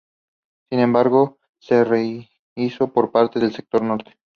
Sin embargo, se rehízo una parte del sector norte.